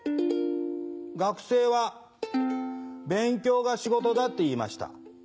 学生は勉強が仕事だって言いました。